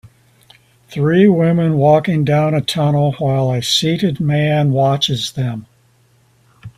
Three women walking down a tunnel while a seated man watches them.